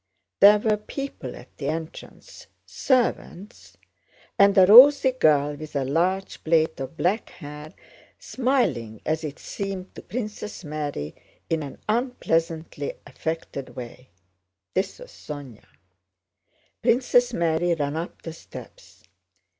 There were people at the entrance: servants, and a rosy girl with a large plait of black hair, smiling as it seemed to Princess Mary in an unpleasantly affected way. (This was Sónya.) Princess Mary ran up the steps.